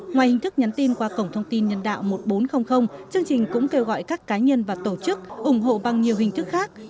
ngoài hình thức nhắn tin qua cổng thông tin nhân đạo một nghìn bốn trăm linh chương trình cũng kêu gọi các cá nhân và tổ chức ủng hộ bằng nhiều hình thức khác